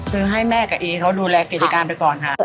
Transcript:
คือให้แม่กับเอเขาดูแลกิจการไปก่อนค่ะ